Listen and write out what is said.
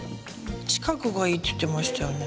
近くがいいって言ってましたよね。